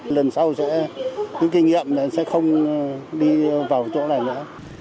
lần sau sẽ cứ kinh nghiệm là sẽ không đi vào chỗ này nữa